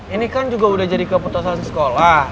ini kan juga udah jadi keputusan sekolah